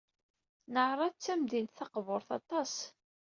Nara d tamdint taqburt aṭas.